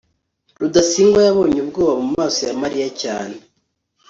rudasingwa yabonye ubwoba mu maso ya mariya cyane